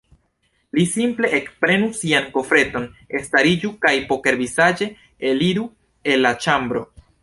Li simple ekprenu sian kofreton, stariĝu kaj pokervizaĝe eliru el la ĉambro.